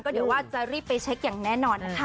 เดี๋ยวว่าจะรีบไปเช็คอย่างแน่นอนนะคะ